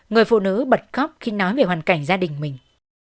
người phụ nữ bật khóc khi nói về hoàn cảnh gia đình mình